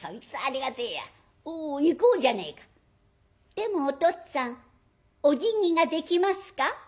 でもおとっつぁんおじぎができますか？」。